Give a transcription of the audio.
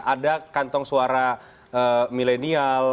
ada kantong suara milenial